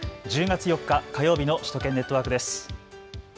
１０月４日火曜日の首都圏ネットワークです。